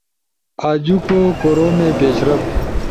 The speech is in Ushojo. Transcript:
آجوک کوروم پیشرفت